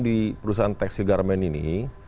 di perusahaan tekstil garmen ini